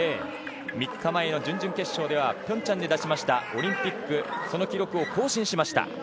３日前の準々決勝では平昌で出したオリンピックの記録を更新しました。